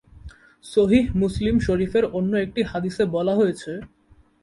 সহীহ মুসলিম শরীফের অন্য একটি হাদিসে বলা হয়েছে,